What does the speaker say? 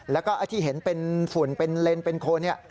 แล้วก็ไอ้ที่เห็นเป็นฝุ่นเป็นเลนเป็นโคน